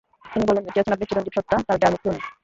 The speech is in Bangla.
তিনি বলবেন, বেঁচে আছেন আপনি চিরঞ্জীব সত্তা, যার মৃত্যু নেই।